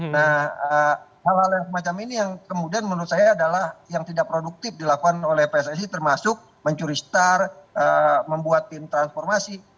nah hal hal yang semacam ini yang kemudian menurut saya adalah yang tidak produktif dilakukan oleh pssi termasuk mencuri star membuat tim transformasi